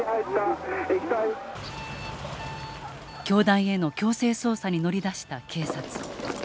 教団への強制捜査に乗り出した警察。